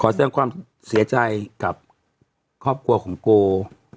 แสดงความเสียใจกับครอบครัวของโก